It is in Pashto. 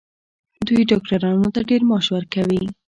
دوی ډاکټرانو ته ډیر معاش ورکوي.